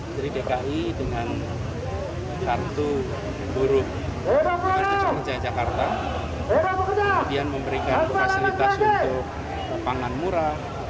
dari dki dengan kartu buruh pekerja jakarta kemudian memberikan fasilitas untuk pangan murah